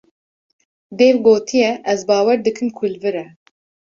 Dêw gotiye: Ez bawer dikim ku li vir e.